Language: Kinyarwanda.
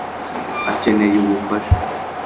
akeneye ubufasha